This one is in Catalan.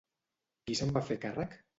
Qui se'n va fer càrrec?